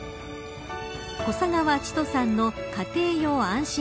小砂川チトさんの家庭用安心